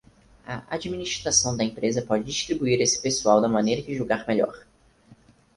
A administração da empresa pode distribuir esse pessoal da maneira que julgar melhor.